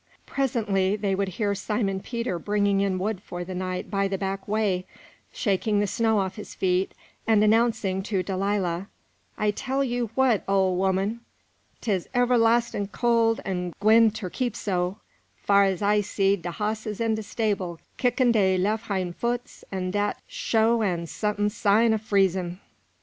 Presently they would hear Simon Peter bringing in wood for the night by the back way, shaking the snow off his feet, and announcing to Delilah: "I tell you what, ole 'oman, 'tis everlastin' cole an' gwine ter keep so, fer I seed de hosses in de stable kickin' de lef' hine foots; an' dat's sho' an' suttin sign o' freezin'."